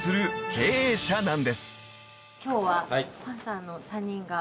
今日は。